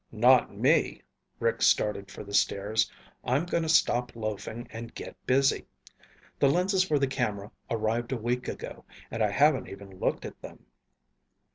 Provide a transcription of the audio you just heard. "Not me." Rick started for the stairs. "I'm going to stop loafing and get busy. The lenses for the camera arrived a week ago and I haven't even looked at them."